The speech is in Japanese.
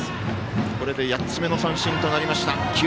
これで８つ目の三振となりました。